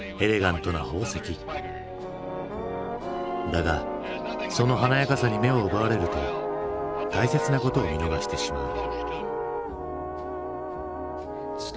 だがその華やかさに目を奪われると大切なことを見逃してしまう。